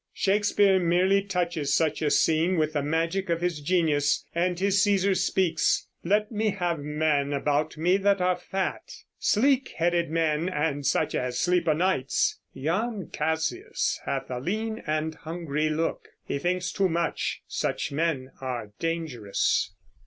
Shakespeare merely touches such a scene with the magic of his genius, and his Cæsar speaks: Let me have men about me that are fat: Sleek headed men, and such as sleep o' nights. Yond Cassius has a lean and hungry look: He thinks too much: such men are dangerous.